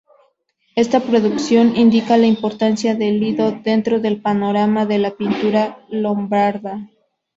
Esta producción indica la importancia de Lodi dentro del panorama de la pintura lombarda.